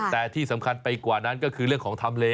แต่ที่สำคัญไปกว่านั้นก็คือเรื่องของทำเล